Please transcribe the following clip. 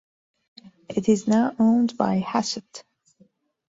It is now owned by Hachette.